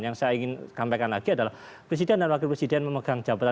yang saya ingin sampaikan lagi adalah presiden dan wakil presiden memegang jabatan